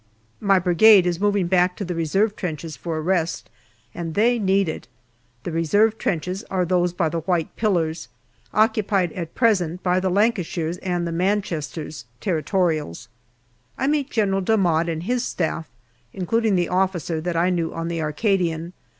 My Brigade is moving back to the reserve trenches for a rest, and they need it. The reserve trenches are those by the white pillars, occupied at present by the Lancashires and Manchesters (Territorials). I meet General D'Amade and his Staff, including the officer that I knew on the Arcadian.